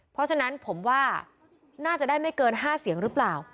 เพราะฉะนั้นผมว่าน่าจะได้ไม่เกิน๕เสียงหรือเปล่า